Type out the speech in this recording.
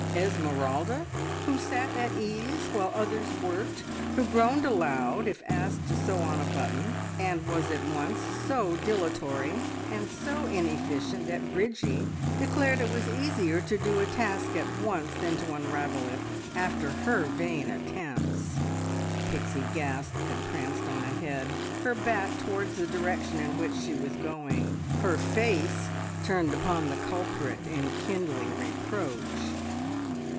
Esmeralda, who sat at ease while others worked, who groaned aloud if asked to sew on a button, and was at once so dilatory and so inefficient that Bridgie declared it was easier to do a task at once than to unravel it after her vain attempts. Pixie gasped and pranced on ahead, her back towards the direction in which she was going, her face turned upon the culprit in kindling reproach.